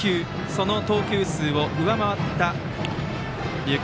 その投球数を上回った龍谷